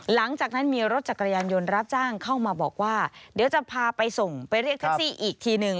หลังจากนั้นมีรถจักรยานยนต์รับจ้างเข้ามาบอกว่าเดี๋ยวจะพาไปส่งไปเรียกแท็กซี่อีกทีหนึ่ง